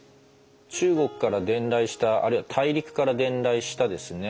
中国から伝来したあるいは大陸から伝来したですね